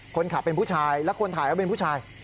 คนขับเป็นผู้ชายและคนถ่ายก็เป็นผู้ชาย